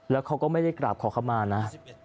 แล้วเค้าก็ไม่ได้กลับขอขมานะ